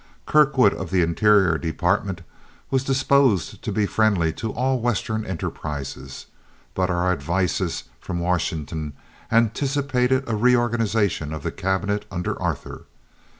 Kirkwood of the Interior Department was disposed to be friendly to all Western enterprises, but our advices from Washington anticipated a reorganization of the cabinet under Arthur.